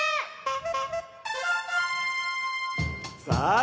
さあ